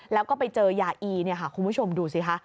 แล้วก็ไปเจอยาอีคุณผู้ชมดูซิค่ะ